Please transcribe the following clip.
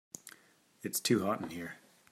It's too hot in here.